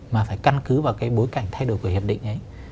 mà phải căn cứ vào cái bối cảnh thay đổi của hiệp định ấy